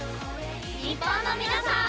日本の皆さん